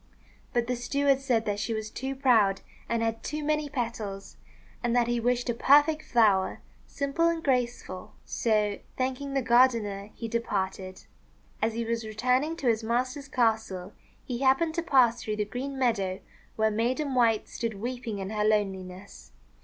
But the steward said that she was too proud and had too many petals, and that he wished a perfect flower, simple and graceful; so thanking the gardener, he departed. As he was returning to his master's castle, he happened to pass through the green meadow where Maiden White stood weeping in her loneliness.